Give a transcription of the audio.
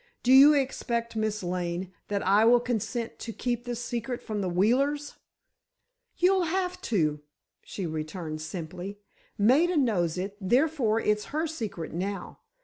"Do you expect, Miss Lane, that I will consent to keep this secret from the Wheelers?" "You'll have to," she returned, simply. "Maida knows it, therefore it's her secret now.